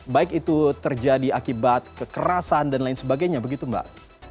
baik itu terjadi akibat kekerasan dan lain sebagainya begitu mbak